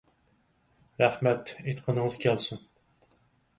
رەھمەت، ئېيتقىنىڭىز كەلسۇن.